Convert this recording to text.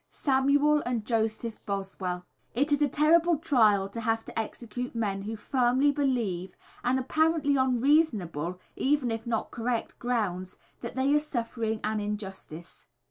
Samuel and Joseph Boswell. It is a terrible trial to have to execute men who firmly believe, and apparently on reasonable, even if not correct grounds, that they are suffering an injustice.